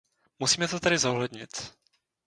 Musíme to tedy zohlednit.